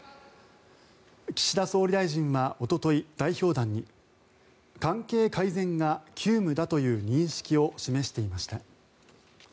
岸田総理大臣はおととい代表団に関係改善が急務だという認識を示していました。